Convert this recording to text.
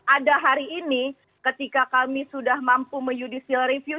ada hari ini ketika kami sudah mampu menyuditial review